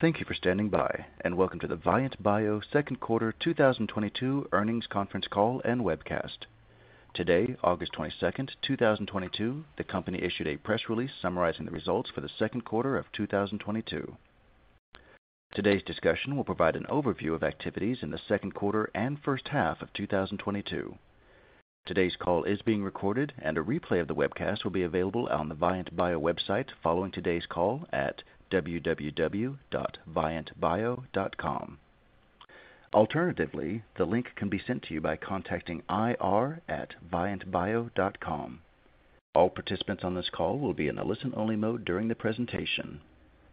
Thank you for standing by and welcome to the Vyant Bio Second Quarter 2022 Earnings Conference Call and Webcast. Today, August 22nd, 2022, the company issued a press release summarizing the results for the second quarter of 2022. Today's discussion will provide an overview of activities in the second quarter and first half of 2022. Today's call is being recorded and a replay of the webcast will be available on the Vyant Bio website following today's call at www.vyantbio.com. Alternatively, the link can be sent to you by contacting ir@vyantbio.com. All participants on this call will be in a listen-only mode during the presentation.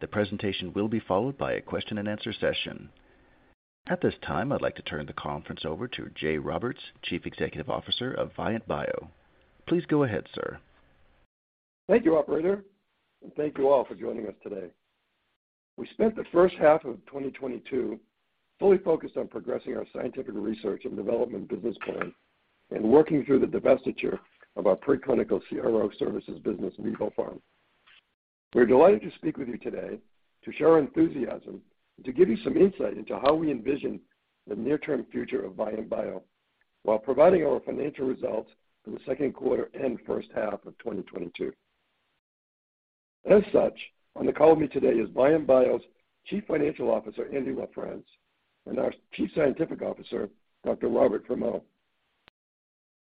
The presentation will be followed by a question-and-answer session. At this time, I'd like to turn the conference over to Jay Roberts, Chief Executive Officer of Vyant Bio. Please go ahead, sir. Thank you, operator, and thank you all for joining us today. We spent the first half of 2022 fully focused on progressing our scientific research and development business plan and working through the divestiture of our pre-clinical CRO services business, vivoPharm. We're delighted to speak with you today to share our enthusiasm and to give you some insight into how we envision the near-term future of Vyant Bio while providing our financial results for the second quarter and first half of 2022. As such, on the call with me today is Vyant Bio's Chief Financial Officer, Andy LaFrence, and our Chief Scientific Officer, Dr. Robert Fremeau.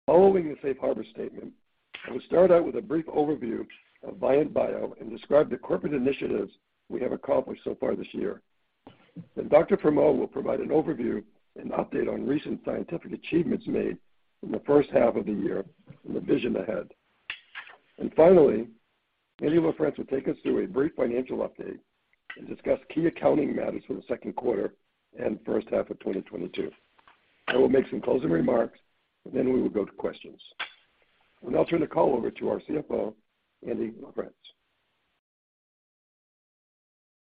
Following the safe harbor statement, I will start out with a brief overview of Vyant Bio and describe the corporate initiatives we have accomplished so far this year. Dr. Fremeau will provide an overview and update on recent scientific achievements made in the first half of the year and the vision ahead. Finally, Andy LaFrence will take us through a brief financial update and discuss key accounting matters for the second quarter and first half of 2022. I will make some closing remarks and then we will go to questions. I'll now turn the call over to our CFO, Andy LaFrence.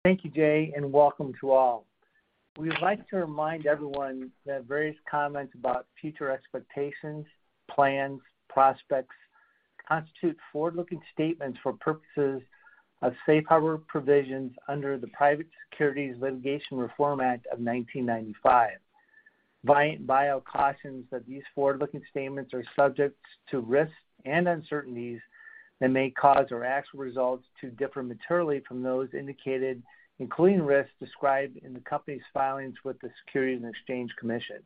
Thank you, Jay, and welcome to all. We would like to remind everyone that various comments about future expectations, plans, prospects constitute forward-looking statements for purposes of safe harbor provisions under the Private Securities Litigation Reform Act of 1995. Vyant Bio cautions that these forward-looking statements are subject to risks and uncertainties that may cause our actual results to differ materially from those indicated, including risks described in the company's filings with the Securities and Exchange Commission.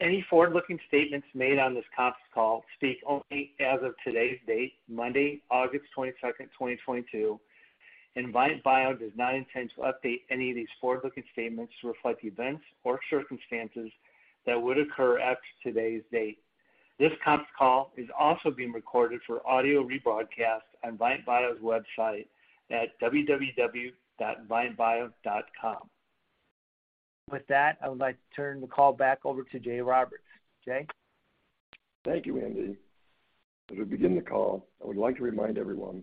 Any forward-looking statements made on this conference call speak only as of today's date, Monday, August 22nd, 2022, and Vyant Bio does not intend to update any of these forward-looking statements to reflect events or circumstances that would occur after today's date. This conference call is also being recorded for audio rebroadcast on Vyant Bio's website at www.vyantbio.com. With that, I would like to turn the call back over to Jay Roberts. Jay. Thank you, Andy. As we begin the call, I would like to remind everyone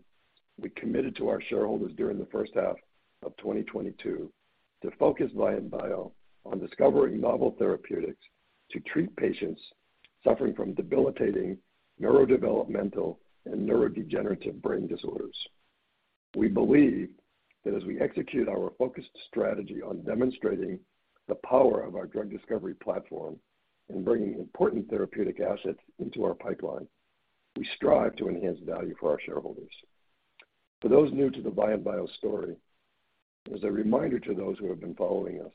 we committed to our shareholders during the first half of 2022 to focus Vyant Bio on discovering novel therapeutics to treat patients suffering from debilitating neurodevelopmental and neurodegenerative brain disorders. We believe that as we execute our focused strategy on demonstrating the power of our drug discovery platform and bringing important therapeutic assets into our pipeline, we strive to enhance value for our shareholders. For those new to the Vyant Bio story, as a reminder to those who have been following us,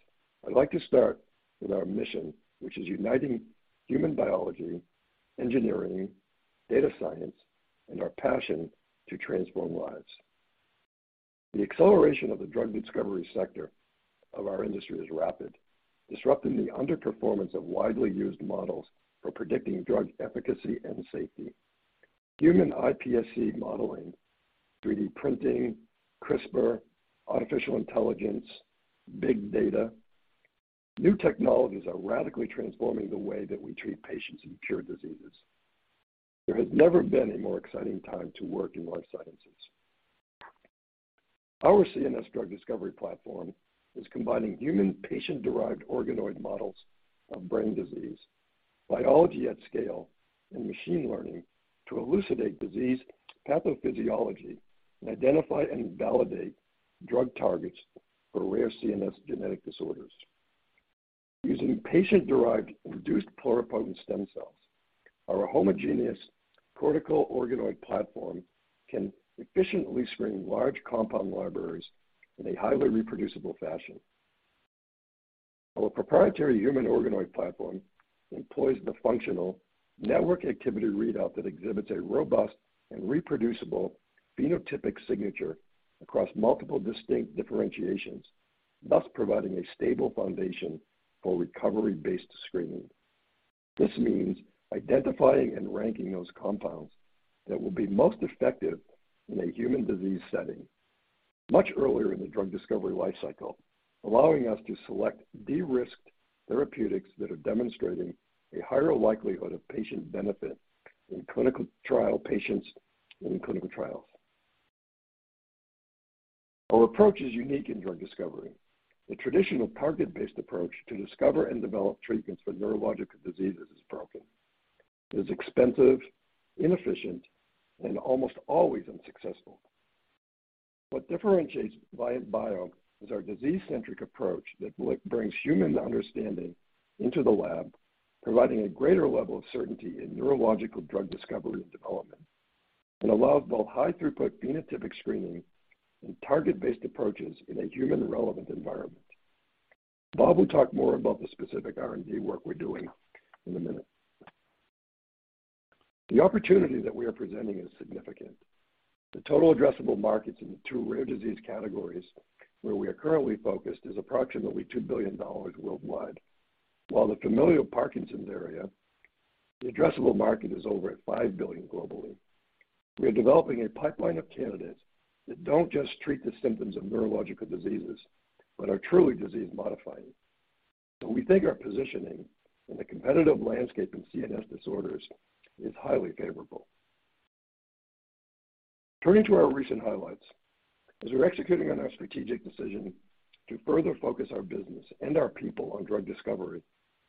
I'd like to start with our mission, which is uniting human biology, engineering, data science, and our passion to transform lives. The acceleration of the drug discovery sector of our industry is rapid, disrupting the underperformance of widely used models for predicting drug efficacy and safety. Human iPSC modeling, 3D printing, CRISPR, artificial intelligence, big data, new technologies are radically transforming the way that we treat patients and cure diseases. There has never been a more exciting time to work in life sciences. Our CNS drug discovery platform is combining human patient-derived organoid models of brain disease, biology at scale, and machine learning to elucidate disease pathophysiology and identify and validate drug targets for rare CNS genetic disorders. Using patient-derived induced pluripotent stem cells, our homogeneous cortical organoid platform can efficiently screen large compound libraries in a highly reproducible fashion. Our proprietary human organoid platform employs the functional network activity readout that exhibits a robust and reproducible phenotypic signature across multiple distinct differentiations, thus providing a stable foundation for recovery-based screening. This means identifying and ranking those compounds that will be most effective in a human disease setting much earlier in the drug discovery life cycle, allowing us to select de-risked therapeutics that are demonstrating a higher likelihood of patient benefit in clinical trial patients and in clinical trials. Our approach is unique in drug discovery. The traditional target-based approach to discover and develop treatments for neurological diseases is broken. It's expensive, inefficient, and almost always unsuccessful. What differentiates Vyant Bio is our disease-centric approach that brings human understanding into the lab, providing a greater level of certainty in neurological drug discovery and development, and allows both high throughput phenotypic screening and target-based approaches in a human relevant environment. Bob will talk more about the specific R&D work we're doing in a minute. The opportunity that we are presenting is significant. The total addressable markets in the two rare disease categories where we are currently focused is approximately $2 billion worldwide. While the familial Parkinson's area, the addressable market is over $5 billion globally. We are developing a pipeline of candidates that don't just treat the symptoms of neurological diseases, but are truly disease modifying. We think our positioning in the competitive landscape in CNS disorders is highly favorable. Turning to our recent highlights, as we're executing on our strategic decision to further focus our business and our people on drug discovery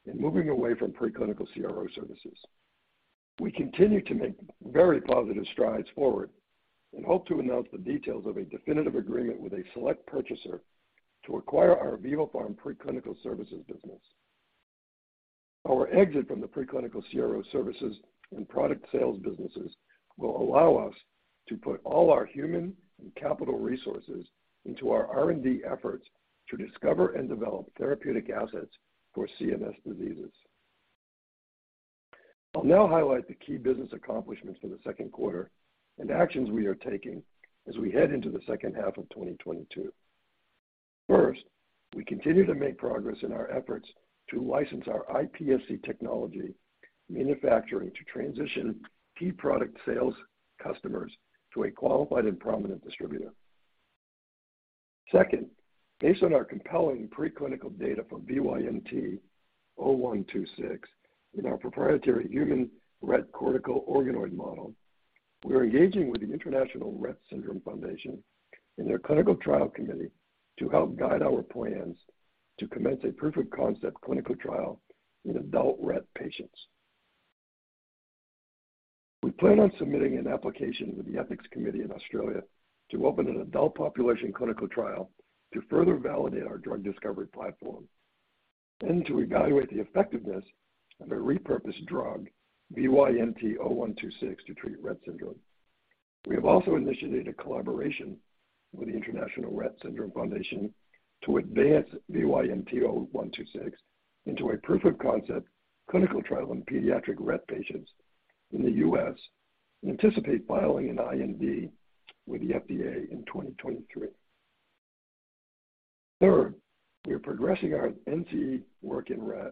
and moving away from preclinical CRO services. We continue to make very positive strides forward and hope to announce the details of a definitive agreement with a select purchaser to acquire our vivoPharm preclinical services business. Our exit from the pre-clinical CRO services and product sales businesses will allow us to put all our human and capital resources into our R&D efforts to discover and develop therapeutic assets for CNS diseases. I'll now highlight the key business accomplishments for the second quarter and actions we are taking as we head into the second half of 2022. First, we continue to make progress in our efforts to license our iPSC technology manufacturing to transition key product sales customers to a qualified and prominent distributor. Second, based on our compelling pre-clinical data for VYNT-0126 in our proprietary human Rett cortical organoid model, we are engaging with the International Rett Syndrome Foundation and their clinical trial committee to help guide our plans to commence a proof of concept clinical trial in adult Rett patients. We plan on submitting an application to the ethics committee in Australia to open an adult population clinical trial to further validate our drug discovery platform and to evaluate the effectiveness of a repurposed drug, VYNT-0126, to treat Rett syndrome. We have also initiated a collaboration with the International Rett Syndrome Foundation to advance VYNT-0126 into a proof of concept clinical trial in pediatric Rett patients in the U.S., and anticipate filing an IND with the FDA in 2023. Third, we are progressing our NT work in Rett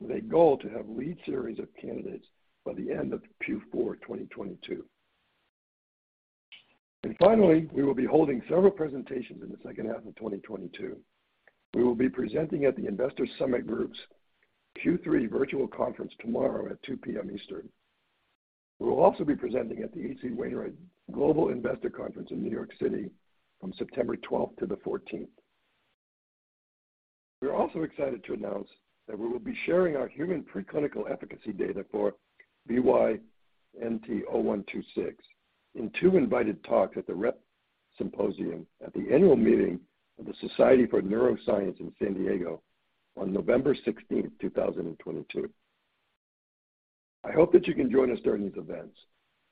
with a goal to have lead series of candidates by the end of Q4 2022. Finally, we will be holding several presentations in the second half of 2022. We will be presenting at the Investor Summit Group's Q3 virtual conference tomorrow at 2:00 P.M. Eastern. We will also be presenting at the H.C. Wainwright Global Investor Conference in New York City from September 12th to the 14th. We are also excited to announce that we will be sharing our human pre-clinical efficacy data for VYNT-0126 in two invited talks at the Rett Symposium at the annual meeting of the Society for Neuroscience in San Diego on November 16th, 2022. I hope that you can join us during these events.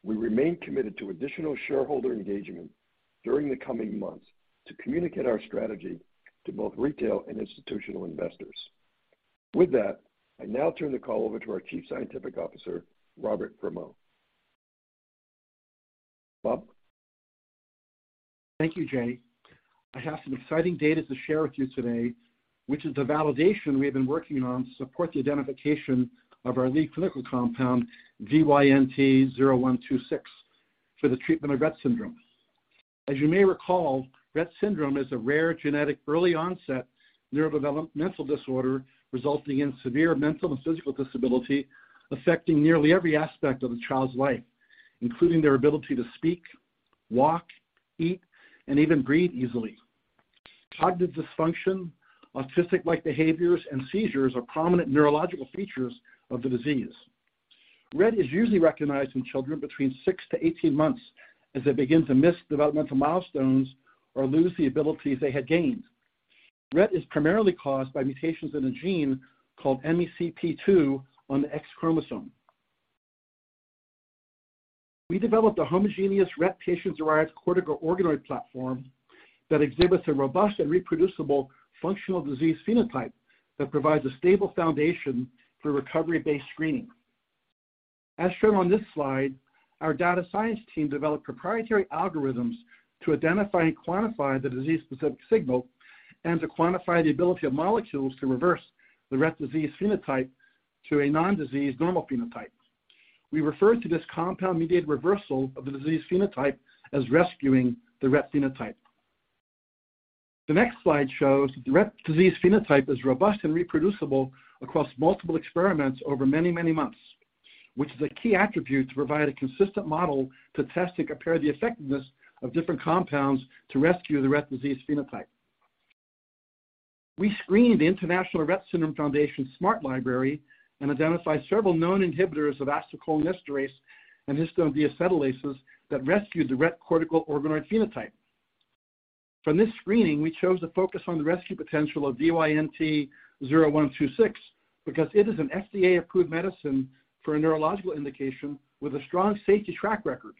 We remain committed to additional shareholder engagement during the coming months to communicate our strategy to both retail and institutional investors. With that, I now turn the call over to our Chief Scientific Officer, Robert Fremeau. Bob. Thank you, Jay. I have some exciting data to share with you today, which is the validation we have been working on to support the identification of our lead clinical compound, VYNT-0126, for the treatment of Rett syndrome. As you may recall, Rett syndrome is a rare genetic early onset neurodevelopmental disorder resulting in severe mental and physical disability affecting nearly every aspect of the child's life, including their ability to speak, walk, eat, and even breathe easily. Cognitive dysfunction, autistic-like behaviors, and seizures are prominent neurological features of the disease. Rett is usually recognized in children between 6-18 months as they begin to miss developmental milestones or lose the abilities they had gained. Rett is primarily caused by mutations in a gene called MECP2 on the X chromosome. We developed a homogeneous Rett patient-derived cortical organoid platform that exhibits a robust and reproducible functional disease phenotype that provides a stable foundation for recovery-based screening. As shown on this slide, our data science team developed proprietary algorithms to identify and quantify the disease-specific signal and to quantify the ability of molecules to reverse the Rett disease phenotype to a non-disease normal phenotype. We refer to this compound-mediated reversal of the disease phenotype as rescuing the Rett phenotype. The next slide shows that the Rett disease phenotype is robust and reproducible across multiple experiments over many, many months, which is a key attribute to provide a consistent model to test and compare the effectiveness of different compounds to rescue the Rett disease phenotype. We screened International Rett Syndrome Foundation's smart library and identified several known inhibitors of acetylcholinesterase and histone deacetylases that rescued the Rett cortical organoid phenotype. From this screening, we chose to focus on the rescue potential of VYNT-0126 because it is an FDA-approved medicine for a neurological indication with a strong safety track record,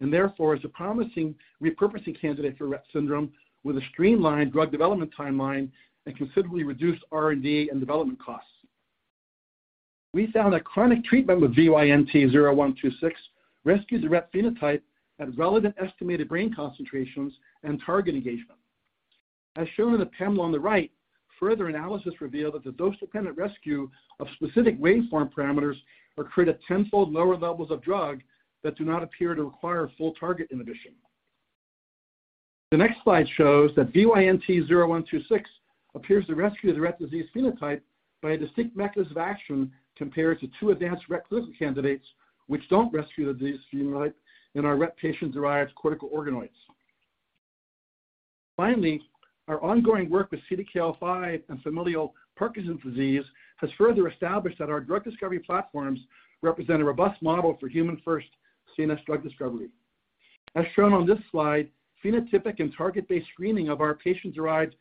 and therefore is a promising repurposing candidate for Rett syndrome with a streamlined drug development timeline and considerably reduced R&D and development costs. We found that chronic treatment with VYNT-0126 rescues the Rett phenotype at relevant estimated brain concentrations and target engagement. As shown in the panel on the right, further analysis revealed that the dose-dependent rescue of specific waveform parameters occurred at tenfold lower levels of drug that do not appear to require full target inhibition. The next slide shows that VYNT-0126 appears to rescue the Rett disease phenotype by a distinct mechanism of action compared to two advanced Rett clinical candidates which don't rescue the disease phenotype in our Rett patient-derived cortical organoids. Finally, our ongoing work with CDKL5 and familial Parkinson's disease has further established that our drug discovery platforms represent a robust model for human first CNS drug discovery. As shown on this slide, phenotypic and target-based screening of our patient-derived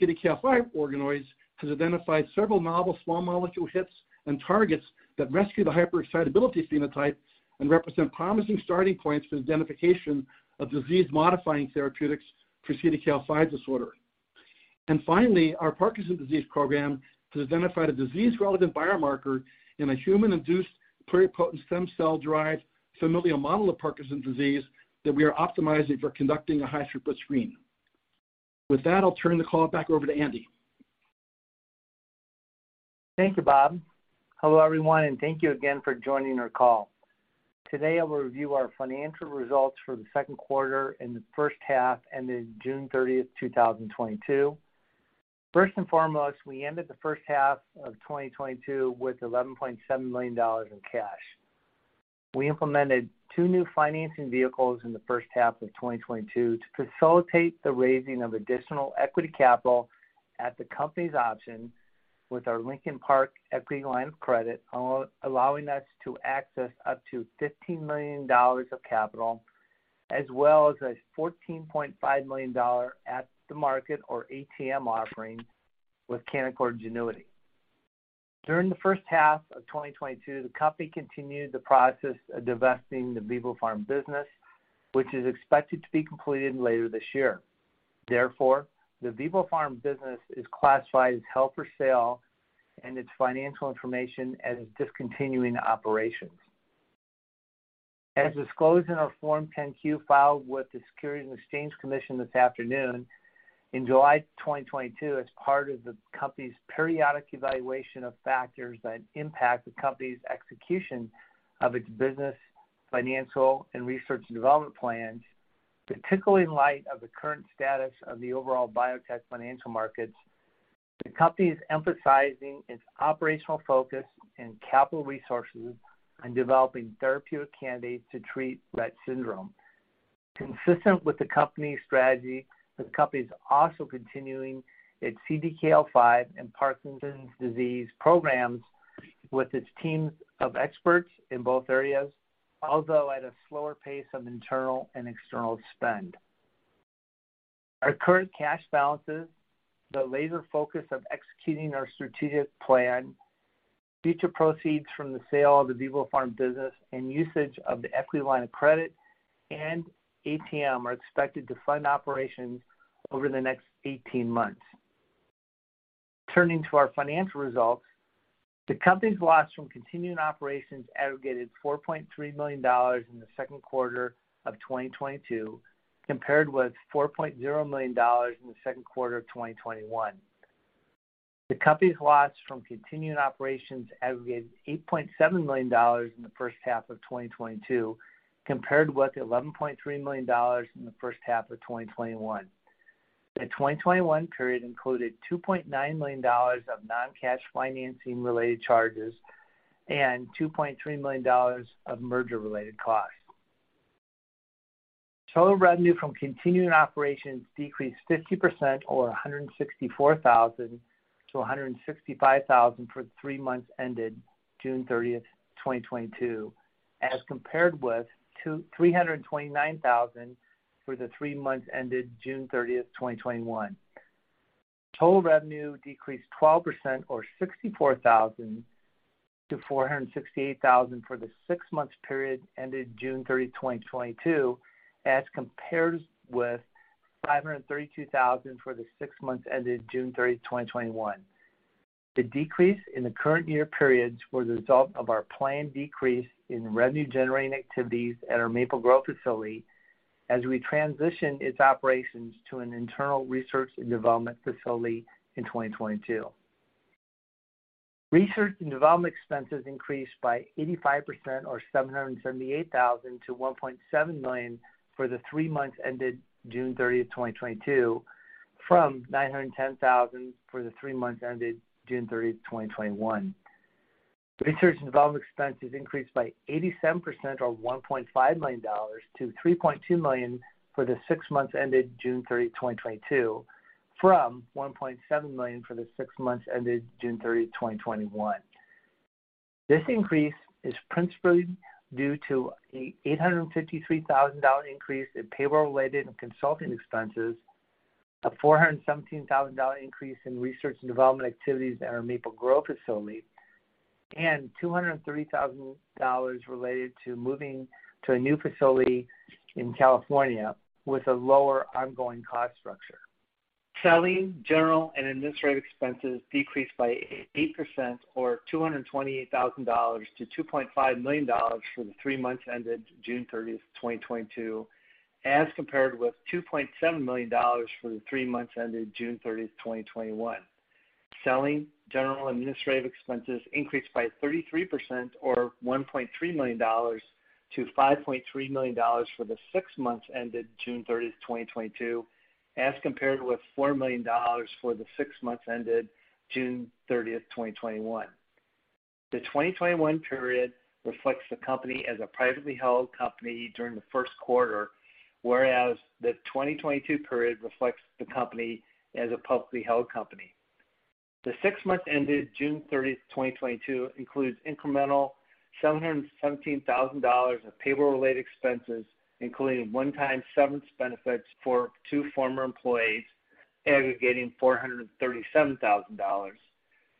CDKL5 organoids has identified several novel small molecule hits and targets that rescue the hyperexcitability phenotype and represent promising starting points for the identification of disease-modifying therapeutics for CDKL5 disorder. Finally, our Parkinson's disease program has identified a disease-relevant biomarker in a human induced pluripotent stem cell-derived familial model of Parkinson's disease that we are optimizing for conducting a high-throughput screen. With that, I'll turn the call back over to Andy. Thank you, Bob. Hello, everyone, and thank you again for joining our call. Today I will review our financial results for the second quarter and the first half ended June 30th, 2022. First and foremost, we ended the first half of 2022 with $11.7 million in cash. We implemented two new financing vehicles in the first half of 2022 to facilitate the raising of additional equity capital at the company's option with our Lincoln Park equity line of credit, allowing us to access up to $15 million of capital, as well as a $14.5 million at-the-market or ATM offering with Canaccord Genuity. During the first half of 2022, the company continued the process of divesting the vivoPharm business, which is expected to be completed later this year. Therefore, the vivoPharm business is classified as held for sale and its financial information as discontinued operations. As disclosed in our Form 10-Q filed with the Securities and Exchange Commission this afternoon, in July 2022, as part of the company's periodic evaluation of factors that impact the company's execution of its business, financial, and research and development plans, particularly in light of the current status of the overall biotech financial markets, the company is emphasizing its operational focus and capital resources on developing therapeutic candidates to treat Rett syndrome. Consistent with the company's strategy, the company is also continuing its CDKL5 and Parkinson's disease programs with its teams of experts in both areas, although at a slower pace of internal and external spend. Our current cash balances, the laser focus of executing our strategic plan, future proceeds from the sale of the vivoPharm business, and usage of the equity line of credit and ATM are expected to fund operations over the next 18 months. Turning to our financial results, the company's loss from continuing operations aggregated $4.3 million in the second quarter of 2022, compared with $4.0 million in the second quarter of 2021. The company's loss from continuing operations aggregated $8.7 million in the first half of 2022, compared with $11.3 million in the first half of 2021. The 2021 period included $2.9 million of non-cash financing related charges and $2.3 million of merger-related costs. Total revenue from continuing operations decreased 50% or $164,000-$165,000 for the three months ended June 30th, 2022, as compared with $329,000 for the three months ended June 30th, 2021. Total revenue decreased 12% or $64,000-$468,000 for the six-month period ended June 30th, 2022, as compared with $532,000 for the six months ended June 30th, 2021. The decrease in the current year periods was a result of our planned decrease in revenue-generating activities at our Maple Grove facility as we transition its operations to an internal research and development facility in 2022. Research and development expenses increased by 85% or $778,000-$1.7 million for the three months ended June 30, 2022, from $910,000 for the three months ended June 30, 2021. Research and development expenses increased by 87% or $1.5 million to $3.2 million for the six months ended June 30th, 2022, from $1.7 million for the six months ended June 30th, 2021. This increase is principally due to an $853,000 increase in payroll-related and consulting expenses, a $417,000 increase in research and development activities at our Maple Grove facility, and $203,000 related to moving to a new facility in California with a lower ongoing cost structure. Selling, general, and administrative expenses decreased by 8% or $228,000-$2.5 million for the three months ended June 30th, 2022, as compared with $2.7 million for the three months ended June 30th, 2021. Selling, general, and administrative expenses increased by 33% or $1.3 million-$5.3 million for the six months ended June 30th, 2022, as compared with $4 million for the six months ended June 30, 2021. The 2021 period reflects the company as a privately held company during the first quarter, whereas the 2022 period reflects the company as a publicly held company. The six months ended June 30, 2022 includes incremental $717,000 of payroll-related expenses, including one-time severance benefits for two former employees, aggregating $437,000.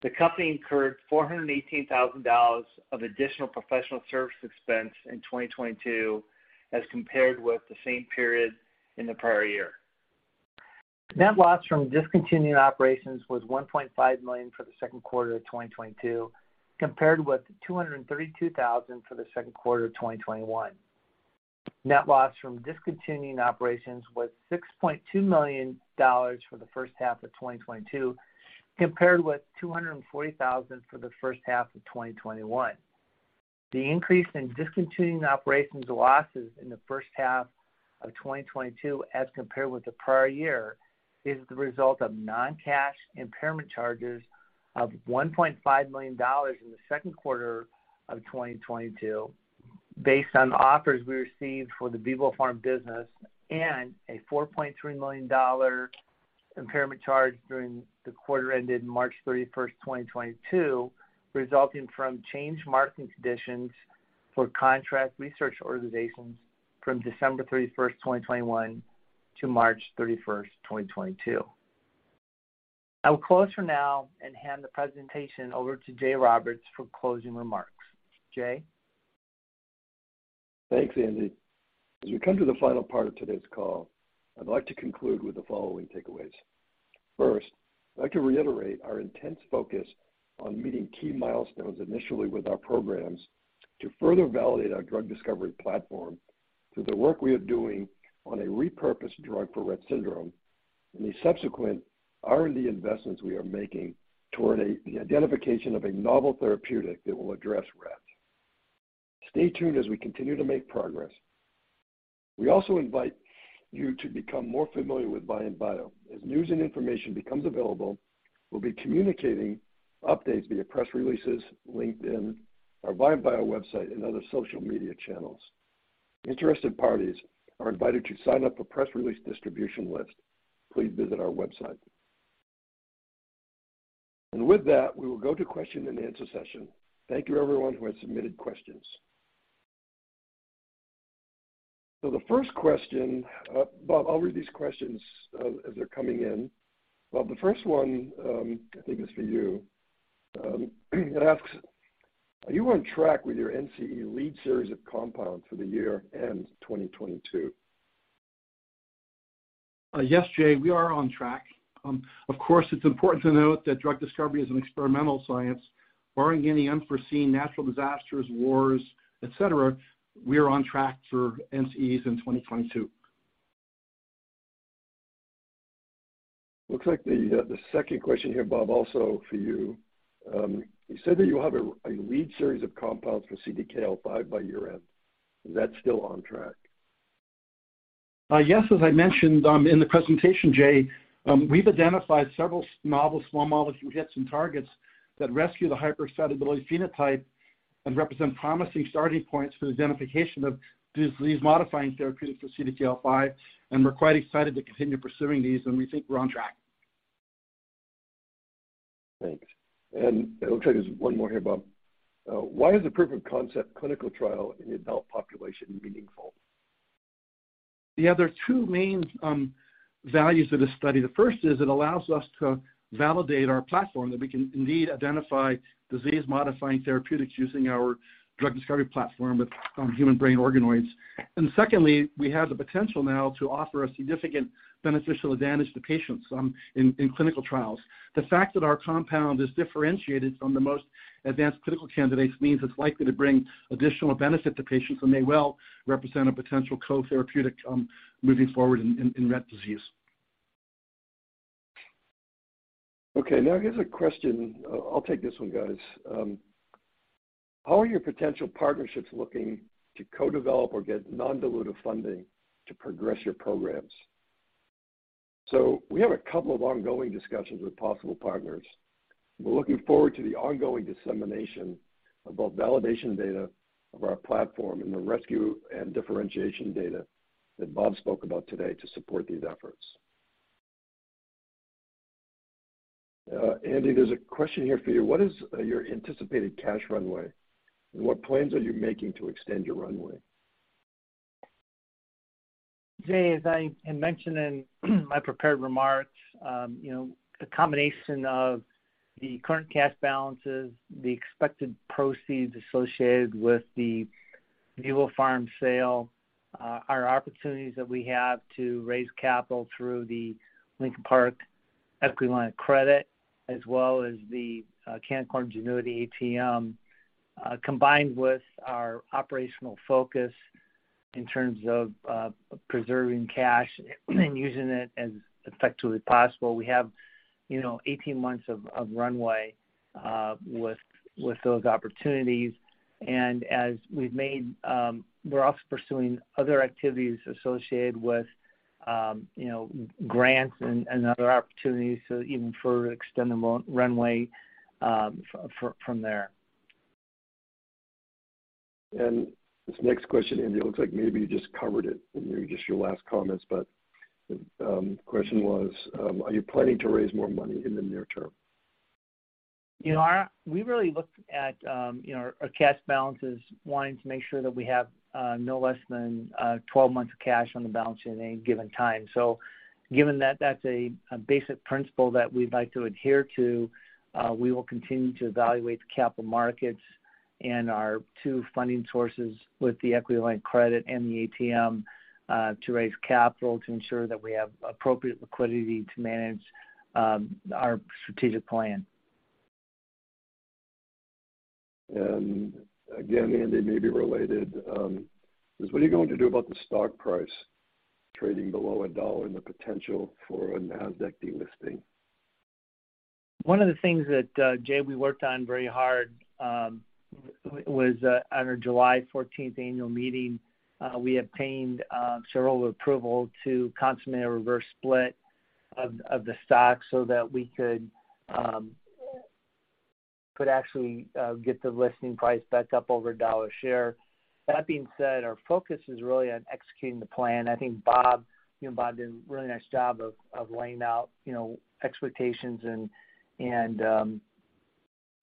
The company incurred $418,000 of additional professional service expense in 2022 as compared with the same period in the prior year. Net loss from discontinued operations was $1.5 million for the second quarter of 2022, compared with $232,000 for the second quarter of 2021. Net loss from discontinued operations was $6.2 million for the first half of 2022, compared with $240,000 for the first half of 2021. The increase in discontinued operations losses in the first half of 2022 as compared with the prior year is the result of non-cash impairment charges of $1.5 million in the second quarter of 2022 based on offers we received for the vivoPharm business and a $4.3 million impairment charge during the quarter ended March 31st, 2022, resulting from changed marketing conditions for contract research organizations from December 31st, 2021 to March 31st, 2022. I will close for now and hand the presentation over to Jay Roberts for closing remarks. Jay? Thanks, Andy. As we come to the final part of today's call, I'd like to conclude with the following takeaways. First, I'd like to reiterate our intense focus on meeting key milestones initially with our programs to further validate our drug discovery platform through the work we are doing on a repurposed drug for Rett syndrome and the subsequent R&D investments we are making toward the identification of a novel therapeutic that will address Rett. Stay tuned as we continue to make progress. We also invite you to become more familiar with Vyant Bio. As news and information becomes available, we'll be communicating updates via press releases, LinkedIn, our Vyant Bio website, and other social media channels. Interested parties are invited to sign up for press release distribution list. Please visit our website. With that, we will go to question-and-answer session. Thank you everyone who has submitted questions. The first question, Bob, I'll read these questions as they're coming in. Bob, the first one, I think is for you. It asks, are you on track with your NCE lead series of compounds for the year-end 2022? Yes, Jay, we are on track. Of course, it's important to note that drug discovery is an experimental science. Barring any unforeseen natural disasters, wars, et cetera, we are on track for NCEs in 2022. Looks like the second question here, Bob, also for you. You said that you have a lead series of compounds for CDKL5 by year-end. Is that still on track? Yes. As I mentioned, in the presentation, Jay, we've identified several novel small molecule hits and targets that rescue the hyperexcitability phenotype and represent promising starting points for the identification of disease-modifying therapeutics for CDKL5, and we're quite excited to continue pursuing these, and we think we're on track. Thanks. It looks like there's one more here, Bob. Why is the proof of concept clinical trial in the adult population meaningful? Yeah, there are two main values of this study. The first is it allows us to validate our platform that we can indeed identify disease-modifying therapeutics using our drug discovery platform with human brain organoids. Secondly, we have the potential now to offer a significant beneficial advantage to patients in clinical trials. The fact that our compound is differentiated from the most advanced clinical candidates means it's likely to bring additional benefit to patients and may well represent a potential co-therapeutic moving forward in Rett syndrome. Okay. Now here's a question. I'll take this one, guys. How are your potential partnerships looking to co-develop or get non-dilutive funding to progress your programs? We have a couple of ongoing discussions with possible partners. We're looking forward to the ongoing dissemination of both validation data of our platform and the rescue and differentiation data that Bob spoke about today to support these efforts. Andy, there's a question here for you. What is your anticipated cash runway? And what plans are you making to extend your runway? Jay, as I had mentioned in my prepared remarks, you know, a combination of the current cash balances, the expected proceeds associated with the vivoPharm sale, our opportunities that we have to raise capital through the Lincoln Park equity line of credit, as well as the Canaccord Genuity ATM, combined with our operational focus in terms of preserving cash and using it as effectively possible. We have, you know, 18 months of runway with those opportunities. We're also pursuing other activities associated with, you know, grants and other opportunities, so even further extend the runway from there. This next question, Andy, it looks like maybe you just covered it in just your last comments, but question was, are you planning to raise more money in the near term? You know, we really look at, you know, our cash balances wanting to make sure that we have no less than 12 months of cash on the balance sheet at any given time. Given that that's a basic principle that we'd like to adhere to, we will continue to evaluate the capital markets and our two funding sources with the equity line credit and the ATM to raise capital to ensure that we have appropriate liquidity to manage our strategic plan. Again, Andy, maybe related, is what are you going to do about the stock price trading below $1 and the potential for a Nasdaq delisting? One of the things that, Jay, we worked on very hard, was, at our July fourteenth annual meeting, we obtained, shareholder approval to consummate a reverse split of the stock so that we could actually get the listing price back up over $1 a share. That being said, our focus is really on executing the plan. I think Bob, you know, did a really nice job of laying out, you know, expectations and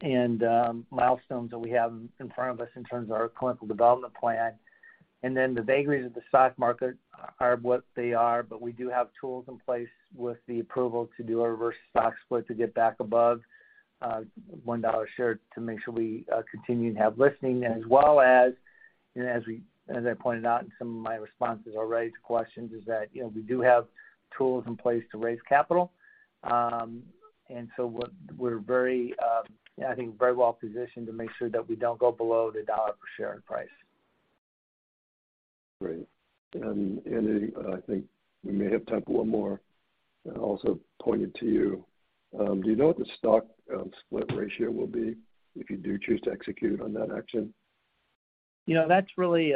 milestones that we have in front of us in terms of our clinical development plan. Then the vagaries of the stock market are what they are, but we do have tools in place with the approval to do a reverse stock split to get back above $1 a share to make sure we continue to have listing. As well as, you know, as I pointed out in some of my responses already to questions is that, you know, we do have tools in place to raise capital. We're very, I think very well positioned to make sure that we don't go below the $1 per share in price. Great. Andy LaFrence, I think we may have time for one more also pointed to you. Do you know what the stock split ratio will be if you do choose to execute on that action? You know, that's really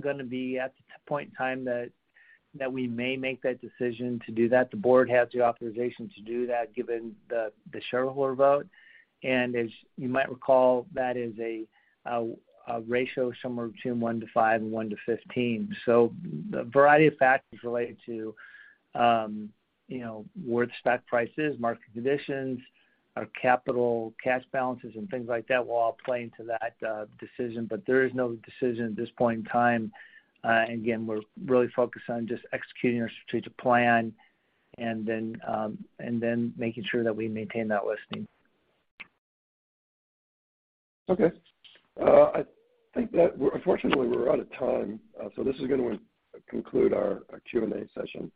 gonna be at the point in time that we may make that decision to do that. The board has the authorization to do that given the shareholder vote. As you might recall, that is a ratio somewhere between 1-5 and 1-15. A variety of factors related to you know, where the stock price is, market conditions, our capital cash balances and things like that will all play into that decision. There is no decision at this point in time. Again, we're really focused on just executing our strategic plan and then making sure that we maintain that listing. Okay. I think that unfortunately, we're out of time, so this is gonna conclude our Q&A session.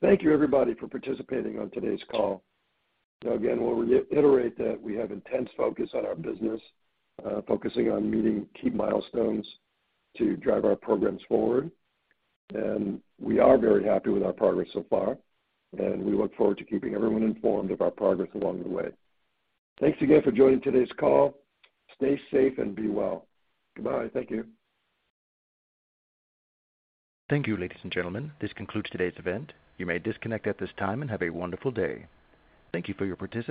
Thank you, everybody, for participating on today's call. Again, we'll reiterate that we have intense focus on our business, focusing on meeting key milestones to drive our programs forward. We are very happy with our progress so far, and we look forward to keeping everyone informed of our progress along the way. Thanks again for joining today's call. Stay safe and be well. Goodbye. Thank you. Thank you, ladies and gentlemen. This concludes today's event. You may disconnect at this time and have a wonderful day. Thank you for your participation.